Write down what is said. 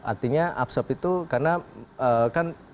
artinya absorb itu karena kan